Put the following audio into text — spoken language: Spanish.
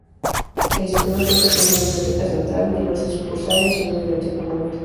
El sistema cuenta con una biblioteca central, diversas sucursales, y una biblioteca móvil.